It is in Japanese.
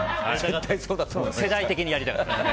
世代的にやりたかったです。